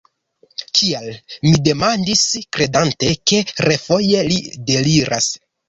Kial? mi demandis, kredante ke refoje li deliras.